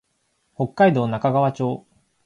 北海道中川町